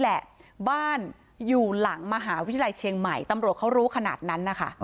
แหละบ้านอยู่หลังมหาวิทยาลัยเชียงใหม่ตำรวจเขารู้ขนาดนั้นนะคะ